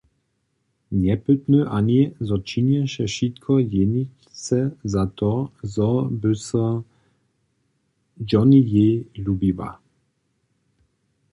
Njepytny ani, zo činješe wšitko jeničce za to, zo by so Jonnyjej lubiła.